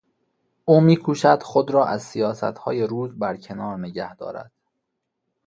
او میکوشد خود را از سیاستهای روز برکنار نگه دارد.